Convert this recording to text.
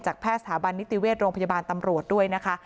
แพทย์สถาบันนิติเวชโรงพยาบาลตำรวจด้วยนะคะ